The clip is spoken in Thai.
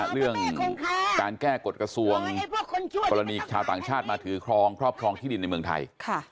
เรื่องการแก้กฎกระทรวงกรณีชาวต่างชาติมาถือครองครอบครองที่ดินในเมืองไทย